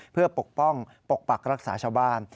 เพื่อปกป้องปกปักรักษาชาวบ้าน